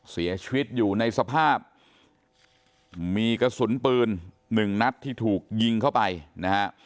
เสียชีวิตอยู่ในสภาพมีกระสุนปืนหนึ่งนัดที่ถูกยิงเข้าไปนะฮะ